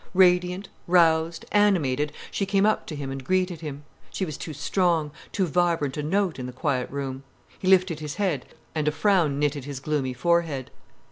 Radiant, roused, animated, she came up to him and greeted him. She was too strong, too vibrant a note in the quiet room. He lifted his head, and a frown knitted his gloomy forehead.